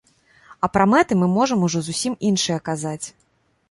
А пра мэты мы можам ужо зусім іншае казаць.